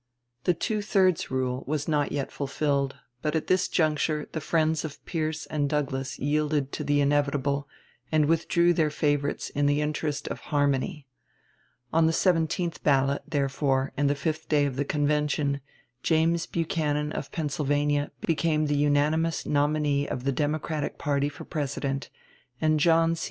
The "two thirds rule" was not yet fulfilled, but at this juncture the friends of Pierce and Douglas yielded to the inevitable, and withdrew their favorites in the interest of "harmony." On the seventeenth ballot, therefore, and the fifth day of the convention, James Buchanan, of Pennsylvania, became the unanimous nominee of the Democratic party for President, and John C.